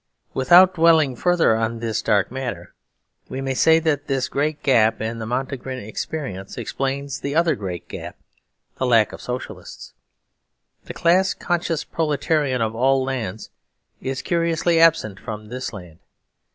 Without dwelling further on this dark matter, we may say that this great gap in the Montenegrin experience explains the other great gap the lack of Socialists. The Class conscious Proletarian of All Lands is curiously absent from this land.